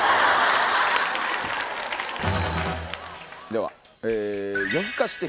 では。